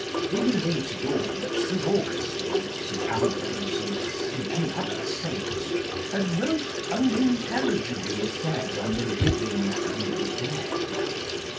They related all that St. Augustine, St. Ambrose, and so many other saints, had most unintelligibly said on the living and the dead.